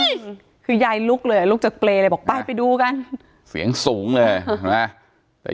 มีแบบกระท่อมมีอะไรอย่างนี้ไหมไม่มี